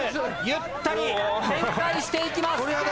ゆったり旋回していきます。